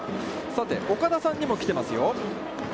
さて、岡田さんにも来てますよ。